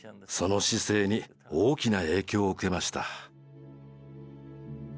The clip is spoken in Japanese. その姿勢に大きな影響を受けました。